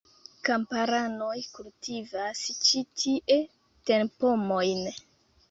Kamparanoj kultivas ĉi tie terpomojn.